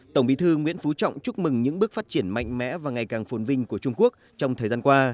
tổng bí thư nguyễn phú trọng chúc mừng những bước phát triển mạnh mẽ và ngày càng phồn vinh của trung quốc trong thời gian qua